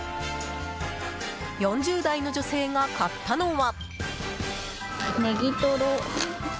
４０代の女性が買ったのは。